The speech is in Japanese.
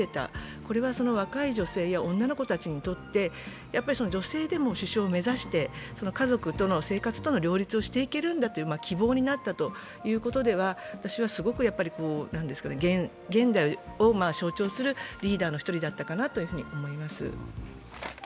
これは若い女性や女の子たちにとって、女性でも首相を目指して家族との、生活との両立ができるんだと希望になったということではすごく現代を象徴するリーダーの１人だったかなと思います。